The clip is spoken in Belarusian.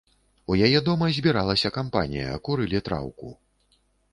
У яе дома збіралася кампанія, курылі траўку.